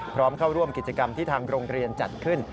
พร้อมเข้าร่วมกิจกรรมที่ทางโรงเรียนจัดขึ้น